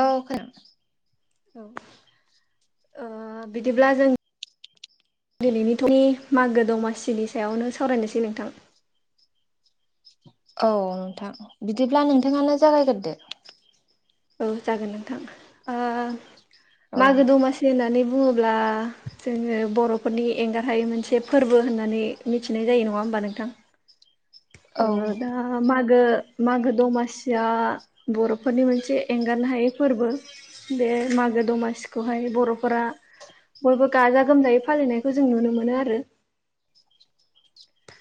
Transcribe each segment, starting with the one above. औ खोना औ ओ बिदिब्ला जों दिनैनि टफिक मागो दमासिनि सायावनो सावरायनोसै नोंथां। औ नोंथां बिदिब्ला नोंथाङानो जागायग्रोदो। औ जागोन नोंथां ओ औ मागो दमासि होननानै बु बुङोब्ला जोङो बरफोरनि एंगारहायै मोनसे फोरबो होननानै मिथिनाय जायो नङा बा नोंथां ओ औ दा मा गो मागो दमासिया बरफोरनि मोनसे एंगारनो हायै फोरबो बे बे मागो दमासिखौहाय बरफोरा बयबो गाजा गोमजायै फालिनायखौ जों नुनो मोनो आरो।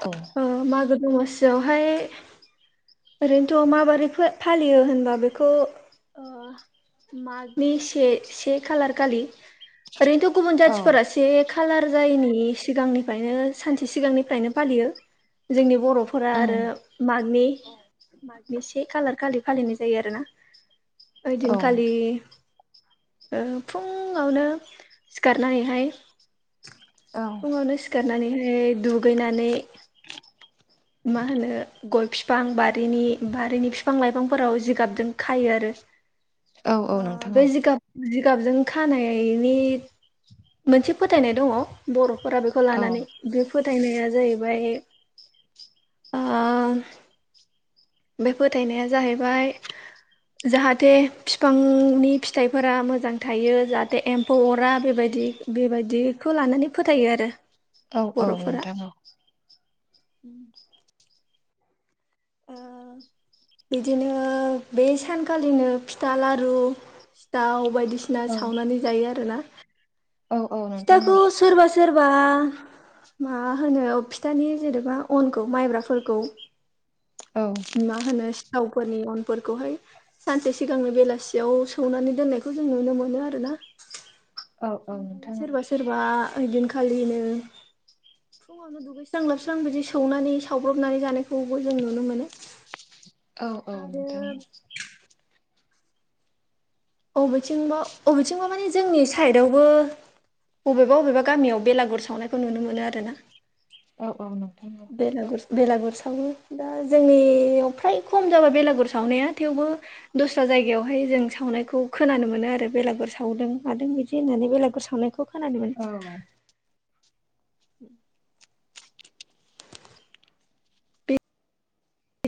औ ओ मागो दमासियावहाय ओरैनोथ माबोरै फालियो होनबा बेखौ मागनि से से खालार खालि ओरैनोथ गुबुन औ जाथिफोरा से खालार जायैनि सिगांनिफ्रायनो सानसे सिगांनिफ्रायनो फालियो जोंनि बरफोरा आरो उम मागनि मागनि से खालार खालि फालिनाय जायो आरोना औ ओइदिनखालि फुङावनो सिखारनानैहाय औ फुङावनो सिखारनानैहाय दुगैनानै मा होनो गय बिफां बारिनि बारिनि बिफां लाइफांफोराव जिगाबजों खायो आरो औ औ ओ नोंथां बे औ जिगाब जिगाबजों खानायनि मोनसे फोथायनाय दङ' बर' फोरा बेखौ औ लानानै बे फोथायनाया जाहैबाय ओ बे फोथायनाया जाहैबाय जाहाथे बिफांनि फिथाइफोरा मोजां थायो जाहाथे एम्फौ अरा बेबायदि बि बेबायदिखौ लानानै फोथायो आरो औ औ नोंथां औ उ [inaudible] बिदिनो बे सानखालिनो फिथा लारु सिथाव बायदि बायदिसिना औ सावनानै जायो आरो ना औ औ नोंथां फिथाखौ सोरबा सोरबा मा होनो फिथानि जेनेबा अनखौ माइब्राफोरखौ औ मा‌ होनो थावफोरनि अनफोरखौहाय सानसे सिगांनो बेलासियाव सौनानै दोननायखौ जों नुनो मोनो आरो ना [inaudible] औ ओमफ्राय नोंथां सोरबा सोरबा ओइदिनखालिनो फुङावनो दुगैस्रां लाोबस्रां बिदि सौनानै सावब्रबनानै जानायखौबो जों नुनो मोनो। औ औ आरो नोंथां बबेथिंबा बबेथिंबा मानि जोंनि साइदआवबो बबेबा बबेबा गामियाव बेलागुर सावनायखौ नुनो मोनो आरो ना औ औ नोंगौ बेलागुर बेलागुर सावो दा जोंनियाव फ्राय खम जाबाय बेलागुर सावनाया थेवबो दस्रा जायगायावहाय जों सावनाय खौ खोनानो मोनो आरो बेलागुर सावदों मादों बिदि होननानै बेलागुर सावनायखौ खोनादोंमोन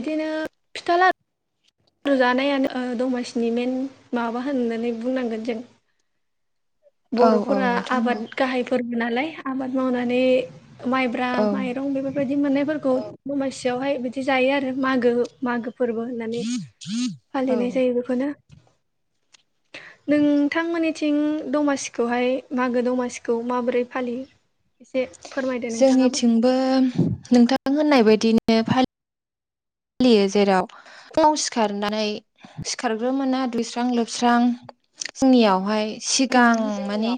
बिदिनो फिथा ला जानायानो दमासिनि मेन माबा होननानै बुंनांगोन जों औ बर'फोरा नोंथां औ आबाद गाहायफोर नालाय आबाद मावनानै माइब्रा औ माइरं बेफोरबायदि मोननायफोरखौ खौ दमासियावहाय बिदि जायो आरो मागो मागो फोरबो होननानै औ फालिनाय जायो बेखौनो। नोंथांमोननिथिं दमासिखौहाय मागो दमासिखौ माबोरै फालियो? एसे फोरमायदो नोंथाङाबो जोंनिथिंबो नोंथां होननाय बायदिनो फालि यो जेराव‌ फुङाव सिखारनानै सिखारग्रोमोना दुगैस्रां लोबस्रां जोंनियावहाय सिगां उम माने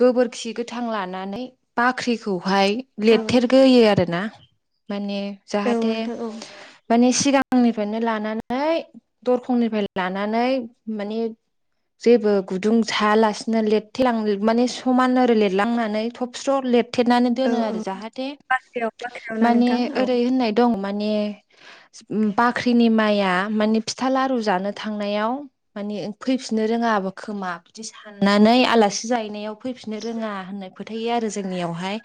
गोबोरखि गोथां लानानै बाख्रिखौहाय औ लिरथेरग्रोयो आरोना माने औ जाहाथे नोंथां औ माने सिगां निफ्रायनो लानानै दरखंनिफ्राय लानानै माने जेबो गुदुं थायालासिनो लेथथेलां माने समान ओर लिरलांनानै थब स्र' लेथ थेेनानै औ दोनो औ आरो जाहाथे बाख्रियाव बाख्रियाव ना माने नोंथां औ ओरै होननाय दं माने बाख्रिनि माइया या माने फिथा लारु जानो थांनायाव माने फैफिननो रोङाबो खोमा बिदि सानो नानै आलासि जायनायाव फैफिननो रोङा होननाय फोथाय आरो जोंनियावहाय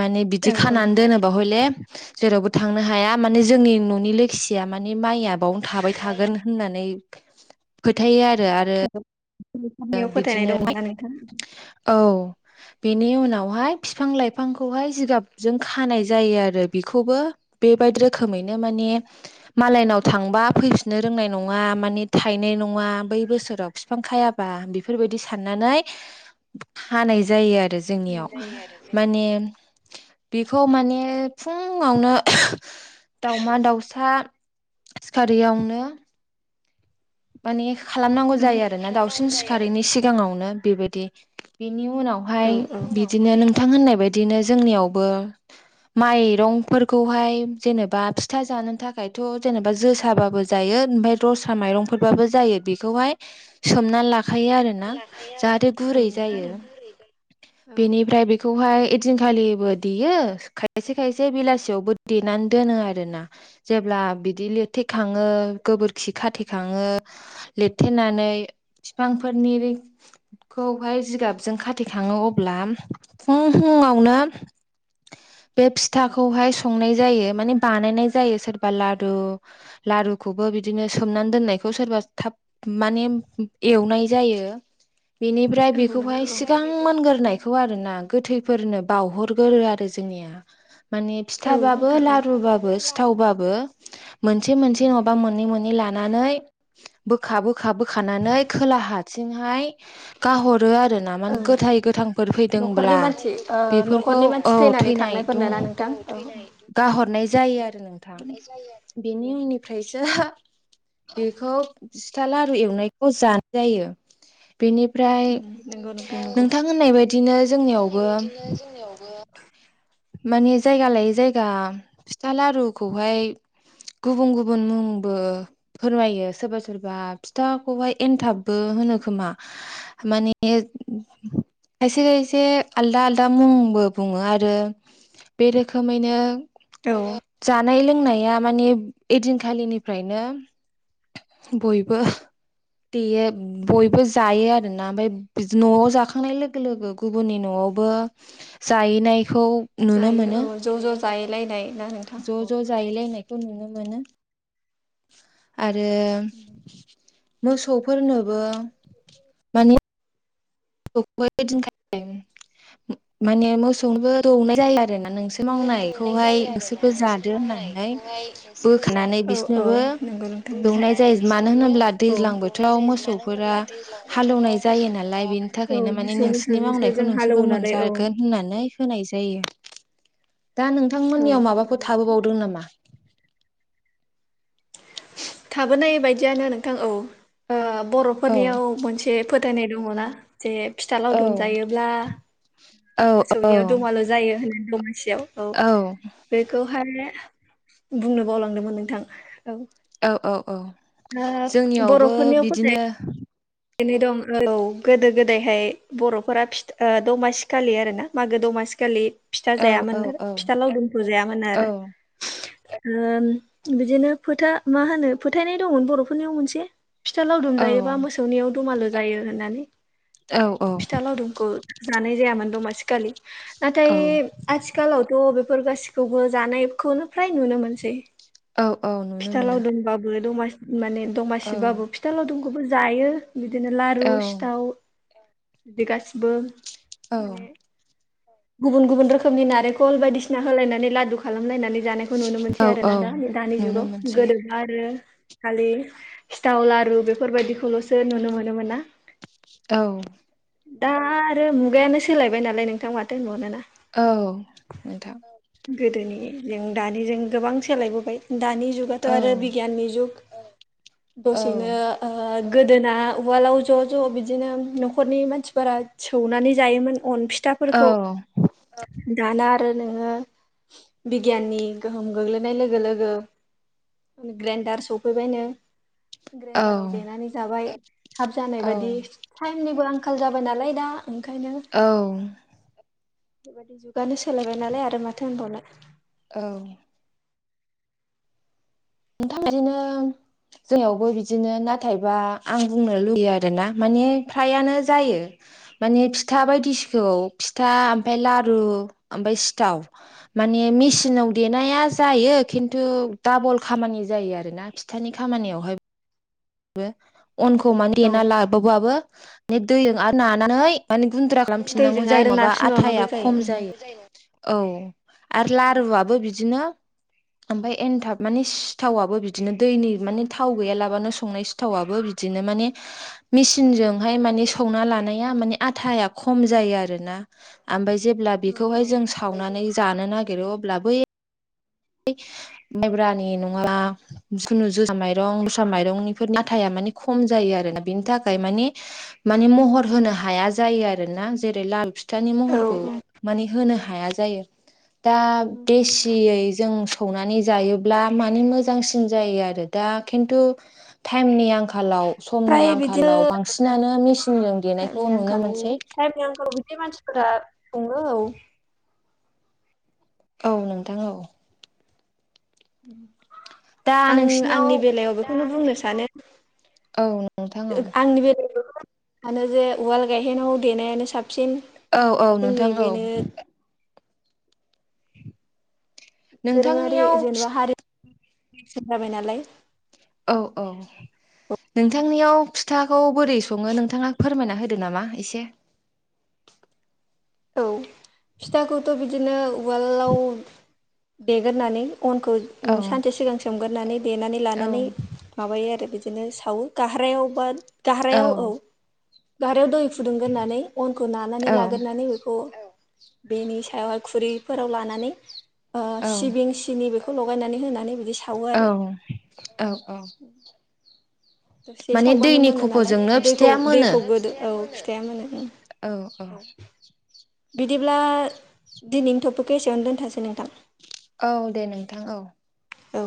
माने औ बिदि औ खानानै दोनोबा हले जेरावबो थांनो हाया माने जोंनि न'नि लोखिया माने माइआ बावनो थाबाय थागोन होननानै फोथायो आरो आरो बेफोरनियाव फोथायनाय बिदिनो दङ ना नोंथां? औ बेनि उनावहाय फिफां लाइफांखौहाय जिगाबजों खानाय जायो आरो बेखौबो बेबायदि रोखोमैनो माने मालायनाव थांबा फैफिननो रोंनाय नङा माने गायनाय ना बै बोसोराव बिफां बा बेफोरबायदि साननानै खानाय जायो आरो आरो जोंनियाव माने बेखौ माने फुङावनो दाउमा दाउसा सिखारारियावनो माने खालामनांगौ जायो आरोना दाउसिन सिखारारिैनि सिगाङावनो बेबायदि बिनि उनावहाय बेनि बिदिनो नोंथां होननाय बायदिनो जोंनियावबो माइरंफोरखौहाय जेनेबा फिथा जानो थाखायथ' जेनेबा जोसाबाबो जायो [unintelligible] थाखायो आरोना जाहाथे गुरै जायो आरो बेनिफ्राय बेखौ बेखौहाय एइदिनखालिबो देयो खायसे खायसे बेलासियावबो देनानै दोनो आरोना जेब्ला बिदि लिरथेखाङो गोबोरखिखा थेखा खाङो लिरथेनानै बिफांफोरनि खौहाय जिगाबजों खाथेखाङो अब्ला फुं फुङावनो बे फिथाखौहाय संनाय जायो मान बानायनाय जायो सोरबा लारु लु खौबो बिदिनो सोमनानै दोननायखौ सोरबा थाब माने एवनाय जायो बेनिफ्राय बेखौहाय सिगां मोनग्रोनायखौ आरो ना गोथैफोरनो बावहरगोरो आरो जोंनिया माने फिथाबाबो लारुुबाबो सिथावबाबो मोनसे औ नोंथां मोनसे नङाबा मोननै मोनन नानै ल ब ब बोखारनानै खोला हथिंहाय गाहरो आरो ना औ माने गोथ गोथांफोर फैदोंब्ला बेफोरखौ औ नानै थैनाय थांनायफोरनो ना दं नोंथां गाहरनाय जायो आरो नोंथां मोननाय आरो बेनि उननिफ्रायसो बेखौ सिथा लारु एवनायखौ जानाय जायो बेनिफ्राय उम नंगौ नंगौ नोंथां होननाय बायदिनो जोंनियावबो माने जायगा लायै जायगा फिथा लारुखौहाय गुबुन गुबुन मुंबो फोरमायो सोरबा सोरबा फिथाखौहाय एनथाबबो होनो खोमा माने खायसे खायसे आलदा आलदा मुंबो बुङो आरो बे रोखोमैनो औ जानाय लोंनाया मानि ओइदिनखालिनिफ्रायनो बयबो देयो बयबो जायो आरोना ओमफफ्राय न'आव जाखांनाय लोगो लोगो गुबुननि न'आव यावबो जाहैनायखौ नुनो जायो मोनो औ ज' ज' जाय लायनाय ज' ज' जाहैलायनायखौ नुनो मोनो आरो आरो मोसौफोरनोबो माने दौबायदिख माने मोसौनोबो दौनाय जायो आरो आरोना नोंसोर मावनायखौहाय नोंसोरबो जादो होननानै बोखानानै बिसनोबो नोंगौ ओंखामनि थानानै बिसोरबो औ दैज्लां एवनाय बोथोराव जायो मानो मोसौफोरा होनोब्ला दैज्लां बोथोराव हालौवनाय मोसौ जायो नालाय बेनि थाखायनो माने नोंसोरनि मोसाजोंसो मावनायखौ जों नोंसोरबो हालेवो नालाय औ मोनजागोन होननानै होनाय जायो दा औ नोंथांमोननियाव माबाफोर नंगौ नोंथां थाबोबावदों नामा थाबोनाय बायदियानो नोंथां औ ओ औ बर'फोरनियाव मोनसे फोथायनाय दङना जे फिथा लावदुम औ जायोब्ला औ औ मोसौनियाव दुमाल' जायो होनो दमासियाव औ बेखौहाय बुंनो बावलांदोंमोन नोंथां औ औ औ औ जोंनियावबो बिदिनो बेनो दं औ गोदो गोदायहाय बर'फोरा दमासि खालि आरोना मागो द दमासिखालि फिथा औ जायामोन औ आरो औ फिथा लावदुमखौ जायामोन औ आरो बिदिनो फोथा मा होनो फोथायनाय दंमोन बरफोरनियाव मोनसे फिथा लाव औ दुमजायोबा मोसौनियाव दमालु जायो होननानै ओंखायनो औ फिथा लावदुमखौ जानाय जायामोन दमासिखालि नाथाय आथिखालावथ बे बेफोर गाससिखौबो जानायखौनो फ्राय नुनो मोनसै औ औ नुनो फिथा मोनो लावदोंबाबो दमासि माने औ दमासिबाबो फिथा लावदुमखौबो जायो बिदिनो लारु औ सिथाव बिदि गासिबो औ माने गुबुन गुबुन रोखोमनि नारेंखल बायदिसिना होलायनानै लादु खालामलायनानै जानाय बेखौ नुनो औ मोनसै औ आरोना दा दानि नुनो जुगाव मोनसै गोदोबा आरो खालि सिथाव लारु बेफोरबायदिखौलसो नुनो मोनोमोन ना औ दा आरो मुगायानो सोलायबाय नालाय नोंथां माथो होनबावनो ना औ नोंथां गोदोनि जों दानि जों गोबां सोलायबोबाय दानि जुगाथ औ आरो बिगियाननि जुग औ दसेनो ओ गोदोना उवालाव ज ज बिदिनो नखरनि मानसिफोरा सौनानै जायोमोन अन फिथाफोरखौ [inaudible] दाना आरो नोङो बिगियाननि गोहोम गोग्लैनाय लोगो लोगो ग्राइन्डार सफैबायनो औ ग्राइडाराव देनानै जाबाय थाब जानाय बायदि औ टाइमनिबो आंखाल जाबाय नालाय दा ओंखायनो औ बेबायदि जुगानो सोलायबाय नालाय आरो माथो होनबावनो औ नोंथां बिदिनो जोंयावबो बिदिनो नाथायबा आं बुंनो लुुबैयो आरोना माने फ्रायानो जायो माने फिथा बायदिसिखौ फिथा ओमफ्राय लारु ओमफ्राय सिथाव माने मेसिनाव देनाया जायो खिन्थु दाबल खामानि जायो आरोना फिथानि खामानियावहाय बो अनखौ माने औ देना लाबोबाबो बे दैजों आरो नानानै माने गुन्द्रा खालामफिनांगौ दैजों जायो आरो न बा नारसिन आथाया बावनांगौ खम जायो औ आरो लारुआबो बिदिनो ओमफ्राय एनथाब माने सिथावाबो बिदिनो दैनि माने थाव गैयालाबानो संनाय सिथावाबबो बिदिनो मान मेसिनजोंहाय मान संना लानाया माने आथाया खम जायो आरोना आमफ्राय जेब्ला औ बेखौहाय जों सावनानै जानो नागिरो अब्ला बै माइब्रानि नङा जुनु जोसा माइरं माइरंफोर ना मानि खम जायो आरोना बिनि थाखाय मानि म महर महर होनो हाया जायो आरोना जेरै लारू फिथानि औ महरखौ मानि होनो हाया जायो दा औ बेसि जों सनानै जायोब्ला म मोजांसिन जायो आरो दा खिन्थु टाइमनि आंखालाव समनि फ्राय बिदिनो आंखालाव बांसिनानो मेचिनजों देनायखौ टाइमनि नुनो मोनसै संङो औ औ नोंथां औ दा आं नोंसिनियाव आंनि बेलायावबो बेखौनो बुंनो सानो औ नोंथां औ आंनि बेलायाव आनो जे उवाल गायहेनाव देनायानो साब- सिन औ औ मानोना नोंथां जोंनि औ बेनो दोरोङारि नोंथांनियाव जेनेबा हारिनि नेरसोन जाबाय नालाय औ औ नोंथांनियाव फिथाखौ बोरै सङो नोंथाङा फोरमायना होदो नामा एसे औ फिथाखौथ' बिदिनो उवालाव देगोरनानै अनखौ औ उम सानसे सिगां सोमगोरनानै देनानै औ लानानै माबायो आरो बिदि बिदिनो सावो गाहारायाव बा गहारायाव औ गहारायाव दै फुदुंगोरनानै अनखौ नानानै लागोरनानै बेखौ औ बेनि सायावहाय खुरैफोराव लानानै ओ औ सिबिं सिनि बेखौ लगायनानै होनानै बिदि सावो औ आरो औ औ दसे माने सावबानो दैनि मोनो नालाय माने खफ'जोंनो दै दैखौ फिथाया मोनो दैखौ गोदौबानो फिथाया मोनो औ फिथाया मोनो। औ औ बिदिब्ला दिनैनि थपिकखौ एसेयावनो दोनथनिसै नोंथां औ दे नोंथां औ औ